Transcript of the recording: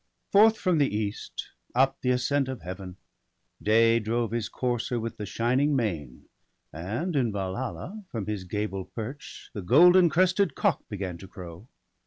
T7ORTH from the east, up the ascent of Heaven, Day drove his courser with the shining mane ; And in Valhalla, from his gable perch, The golden crested cock began to crow.